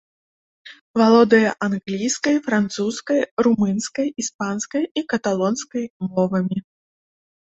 Валодае англійскай, французскай, румынскай, іспанскай і каталонскай мовамі.